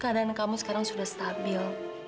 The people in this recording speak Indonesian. keadaan kamu sekarang sudah stabil